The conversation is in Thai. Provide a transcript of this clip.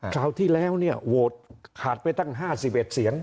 คราวที่แล้วเนี่ยโหวตขาดไปตั้งห้าสิบเอ็ดเสียง